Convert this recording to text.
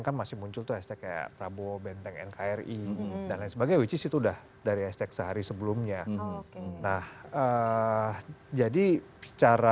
kan masih muncul tuh kayak prabowo benteng nkri dan lain sebagainya which is itu udah dari hashtag